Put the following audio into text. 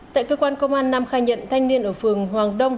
tại cơ quan công an nam khai nhận thanh niên ở phường hoàng đông